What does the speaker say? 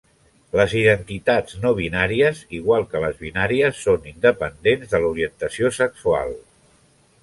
Les identitats no-binàries, igual que les binàries, són independents de l'orientació sexual.